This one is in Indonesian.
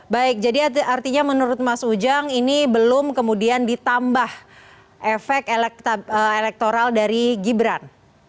baik jadi artinya menurut mas ujang ini belum kemudian ditambah efek elektoral dari gibran